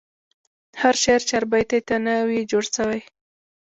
هر شاعر چاربیتې ته نه وي جوړسوی.